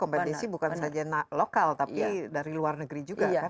kompetisi bukan saja lokal tapi dari luar negeri juga kan